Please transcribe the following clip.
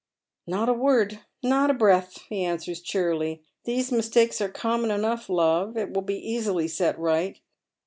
" Not a word, not a breath," he answers, cheerily. " These mistakes are common enough, love. It will be easily set right.